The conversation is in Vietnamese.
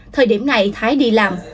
thời điểm này thái đi làm